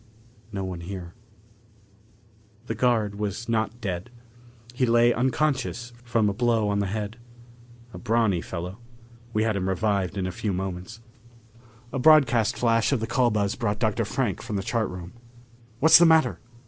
No one here. The guard was not dead. He lay unconscious from a blow on the head. A brawny fellow. We had him revived in a few moments. A broadcast flash of the call buzz brought Dr. Frank from the chart room. "What's the matter?"